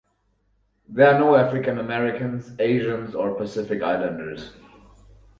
There are no African Americans, Asians, or Pacific Islanders.